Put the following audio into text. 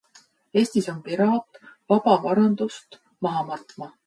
Eestis on piraat vaba varandust maha matma.